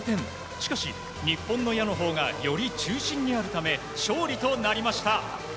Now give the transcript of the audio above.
しかし、日本の矢のほうがより中心にあるため勝利となりました。